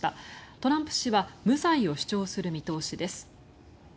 トランプ氏は無罪を主張する見通しです。